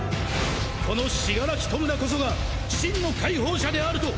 この死柄木弔こそが真の解放者であると！